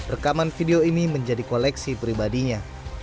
rekaman video ini menjadi koleksi pribadinya